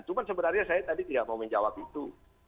cuma sebenarnya saya tadi tidak mau menjawab itu